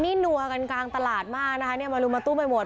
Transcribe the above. นี่นัวกันกลางตลาดมากนะคะเนี่ยมารุมมาตุ้มไปหมด